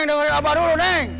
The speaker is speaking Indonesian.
neng dengerin abah dulu neng